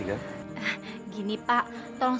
iya saya mau pergi